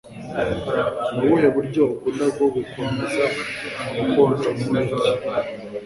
nubuhe buryo ukunda bwo gukomeza gukonja mu cyi